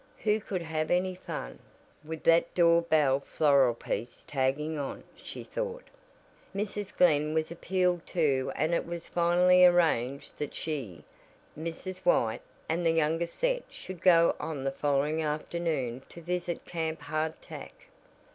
Who could have any fun "with that door bell floral piece tagging on," she thought. Mrs. Glen was appealed to and it was finally arranged that she, Mrs. White, and the younger set should go on the following afternoon to visit Camp Hard Tack.